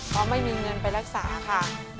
เพราะไม่มีเงินไปรักษาค่ะ